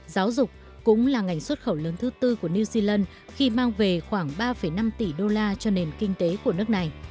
giáo dục cũng là ngành xuất khẩu lớn thứ tư của new zealand khi mang về khoảng ba năm tỷ đô la cho nền kinh tế của nước này